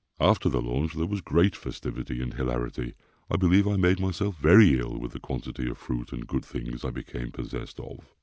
After the launch there was great festivity and hilarity. I believe I made myself very ill with the quantity of fruit and good things I became possessed of.